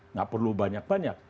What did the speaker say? nggak perlu banyak banyak